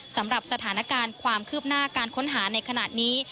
สำหรับสถานการณ์ความคืบหน้าการค้นหาในขณะนี้